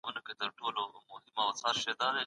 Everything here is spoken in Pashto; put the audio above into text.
دولت باید د خلګو هوساینې ته پام وکړي.